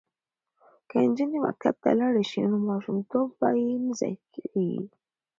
که نجونې مکتب ته لاړې شي نو ماشوم توب به یې نه ضایع کیږي.